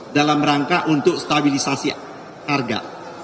dalam rangka untuk stabilisasi harga